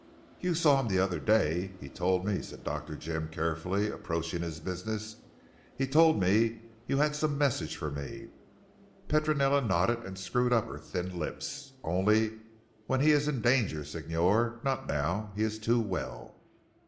"You saw him the other day he told me," said Dr. Jim carefully approaching his business, "he told me you had some message for me." Petronella nodded and screwed up her thin lips. "Only when he is in danger Signor. Not now. He is too well."